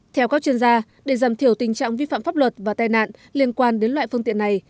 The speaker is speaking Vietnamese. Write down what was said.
theo các chuyên gia để giảm thiểu tình trạng vi phạm pháp luật và tai nạn liên quan đến loại phương tiện này